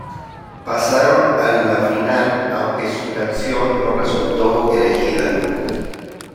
Pasaron a la final aunque su canción no resultó elegida.